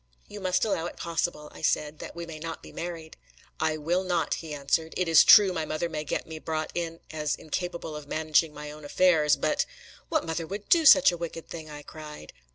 "You must allow it possible," I said, "that we may not be married!" "I will not," he answered. "It is true my mother may get me brought in as incapable of managing my own affairs; but " "What mother would do such a wicked thing!" I cried.